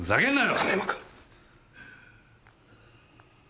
亀山君！